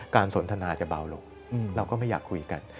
สนทนาจะเบาลงเราก็ไม่อยากคุยกัน